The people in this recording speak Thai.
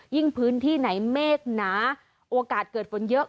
พื้นที่ไหนเมฆหนาโอกาสเกิดฝนเยอะ